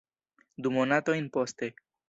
Du monatojn poste.